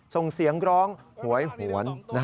ส่งเสียงร้องหวยหวน